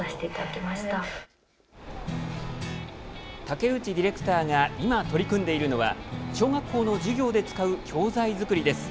竹内ディレクターが今、取り組んでいるのは小学校の授業で使う教材作りです。